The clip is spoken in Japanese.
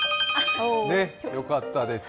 よかったです。